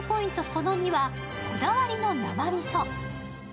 その２はこだわりの生みそ。